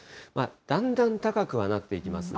だんだん高くはなっていきますが。